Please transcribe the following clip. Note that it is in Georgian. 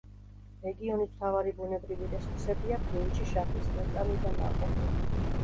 რეგიონის მთავარი ბუნებრივი რესურსებია: ბრინჯი, შაქრის ლერწამი და ნაყოფი.